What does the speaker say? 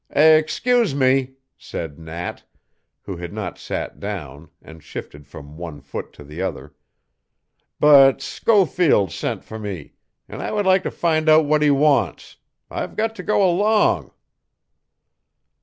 "Excuse me," said Nat, who had not sat down and shifted from one foot to the other, "but Schofield sent for me, an' I would like to find out what he wants. I've got to go along."